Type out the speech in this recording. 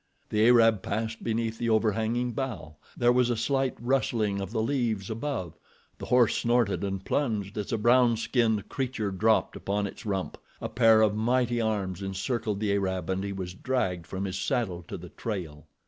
The Arab passed beneath the overhanging bough, there was a slight rustling of the leaves above, the horse snorted and plunged as a brown skinned creature dropped upon its rump. A pair of mighty arms encircled the Arab and he was dragged from his saddle to the trail.